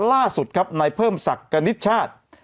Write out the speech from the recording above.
ล่าสุดครับนายเพิ่มศักดิ์กณิตชาติ